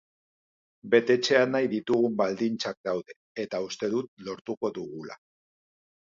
Betetzea nahi ditugun baldintzak daude, eta uste dut lortuko dugula.